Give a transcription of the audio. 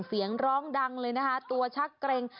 เสียงร้องดังเลยนะคะตัวชักเกร็ง